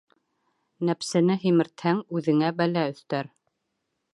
Нәпсене һимертһәң, үҙеңә бәлә өҫтәр.